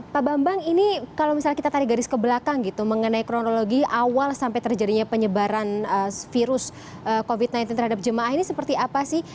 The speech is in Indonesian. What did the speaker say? pak bambang ini kalau misalnya kita tarik garis ke belakang gitu mengenai kronologi awal sampai terjadinya penyebaran virus covid sembilan belas terhadap jemaah ini seperti apa sih